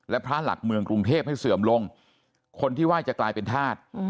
และพระหลักเมืองกรุงเทพให้เสื่อมลงคนที่ไหว้จะกลายเป็นธาตุ